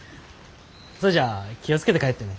それじゃあ気を付けて帰ってね